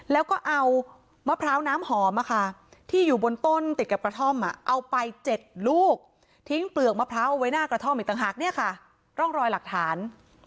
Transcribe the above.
แล้วก็เอามะพร้าวน้ำหอมที่อยู่บนต้นติดกับกระท่อมเอาไป๗ลูกทิ้งเปลือกมะพร้าวเอาไว้หน้ากระท่อมอีกต่างหากเนี่ยค่ะร่องรอยหลักฐาน